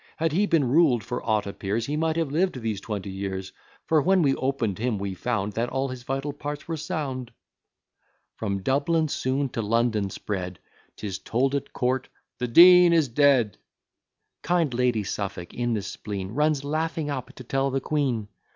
Had he been ruled, for aught appears, He might have lived these twenty years; For, when we open'd him, we found, That all his vital parts were sound." From Dublin soon to London spread, 'Tis told at court, "the Dean is dead." Kind Lady Suffolk, in the spleen, Runs laughing up to tell the queen.